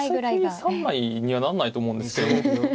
実際３枚にはなんないと思うんですけど。